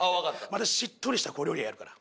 私しっとりした小料理屋やるから。